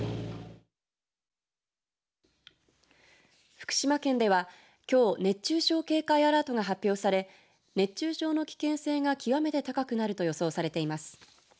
福島県ではきょう熱中症警戒アラートが発表され熱中症の危険性が極めて高くなると予想されています。